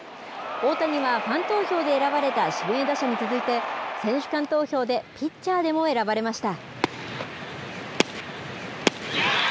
大谷はファン投票で選ばれた指名打者に続いて、選手間投票でピッチャーでも選ばれました。